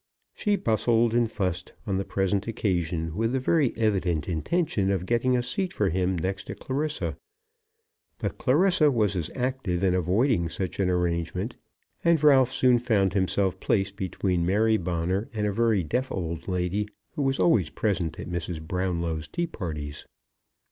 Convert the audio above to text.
She bustled and fussed on the present occasion with the very evident intention of getting a seat for him next to Clarissa; but Clarissa was as active in avoiding such an arrangement, and Ralph soon found himself placed between Mary Bonner and a very deaf old lady, who was always present at Mrs. Brownlow's tea parties.